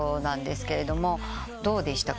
どうでしたか？